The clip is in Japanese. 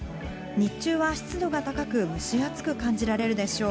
日中は湿度が高く、蒸し暑く感じられるでしょう。